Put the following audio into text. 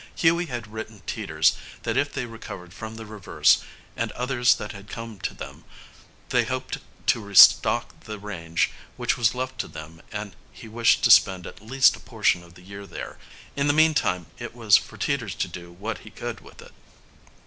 Hughie had written Teeters that if they recovered from the reverse, and others that had come to them, they hoped to re stock the range that was left to them and he wished to spend at least a portion of the year there. In the meantime, it was for Teeters to do what he could with it.